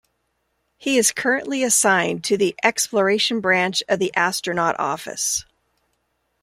He is currently assigned to the Exploration Branch of the Astronaut Office.